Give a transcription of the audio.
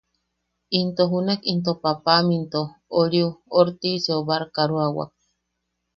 Into junak itom paapam into... oriu... Ortiseu barkaroawak.